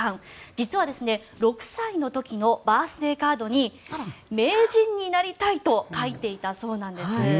実は６歳の時のバースデーカードに名人になりたいと書いていたそうなんです。